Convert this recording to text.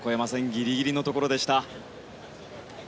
ギリギリのところでした。